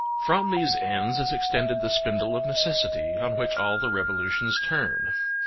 From these ends is extended the spindle of Necessity, on which all the revolutions turn.